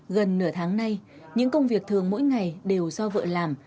gần nửa tháng nay những công việc thường mỗi ngày đều do vợ làm